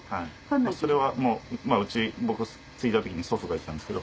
それは僕継いだ時に祖父が言ったんですけど。